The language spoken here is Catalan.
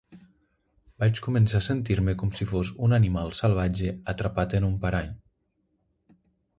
Vaig començar a sentir-me com si fos un animal salvatge atrapat en un parany.